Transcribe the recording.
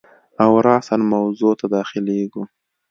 او راساً موضوع ته داخلیږو.